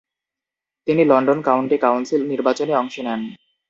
তিনি London county council নির্বাচনে অংশ নেন।